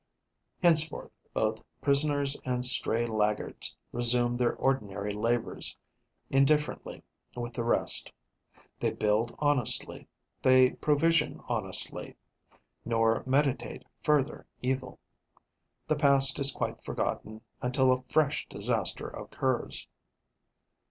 Henceforth, both prisoners and stray laggards resume their ordinary labours, indifferently with the rest. They build honestly, they provision honestly, nor meditate further evil. The past is quite forgotten until a fresh disaster occurs.